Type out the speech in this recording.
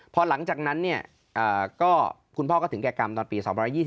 พอหลังจากนั้นคุณพ่อก็ถึงแก่กรรมตอนปี๒๒